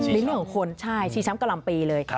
ในเรื่องคนใช่ชีช้ำกลับลำปีเลย